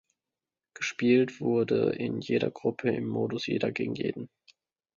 Gespielt wurde in jeder Gruppe im Modus Jeder gegen Jeden.